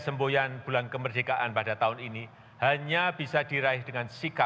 selamat datang kembali di pemerintah indonesia